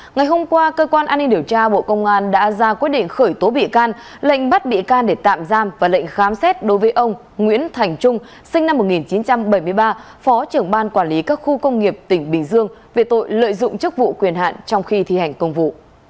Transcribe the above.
ngày hôm qua cơ quan an ninh điều tra bộ công an đã ra quyết định khởi tố bị can lệnh bắt bị can để tạm giam và lệnh khám xét đối với ông nguyễn thành trung sinh năm một nghìn chín trăm bảy mươi ba phó trưởng ban quản lý các khu công nghiệp tỉnh bình dương về tội lợi dụng chức vụ quyền hạn trong khi thi hành công vụ